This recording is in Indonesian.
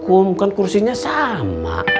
kum kan kursinya sama